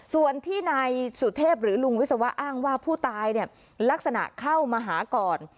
ส่วนที่นายสุเทพหรือลุงวิศวะอ้างว่าผู้ตายเนี่ยลักษณะเข้ามาหาก่อน